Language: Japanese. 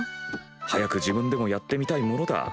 早く自分でもやってみたいものだ。